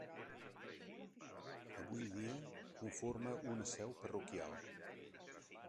Avui dia conforma una seu parroquial.